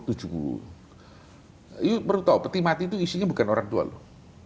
itu perlu tahu peti mati itu isinya bukan orang tua loh